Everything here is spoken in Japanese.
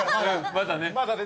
まだね。